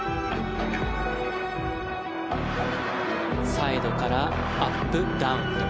サイドからアップダウン。